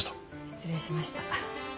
失礼しました。